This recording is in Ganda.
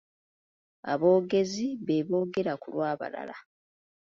Aboogezi beeboogera ku lw'abalala.